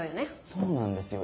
そうなんですよ。